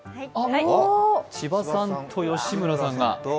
千葉さんと吉村さんが。